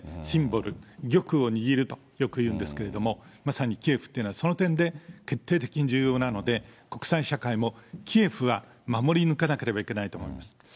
シンボル、玉を握るとよくいうんですけど、まさにキエフっていうのは、その点で決定的に重要なので、国際社会もキエフは守り抜かなければいけないと思います。